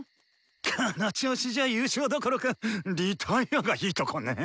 この調子じゃあ優勝どころかリタイアがいいとこネ。